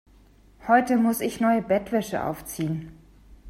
Heute muss ich neue Bettwäsche aufziehen.